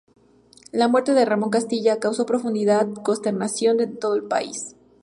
La muerte de Ramón Castilla causó profunda consternación en todo el país.